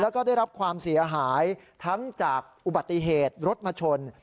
แล้วก็ได้รับความเสียหายทั้งจากอุบัติเหตุรถมาชน